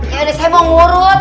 ya ini saya mau ngurut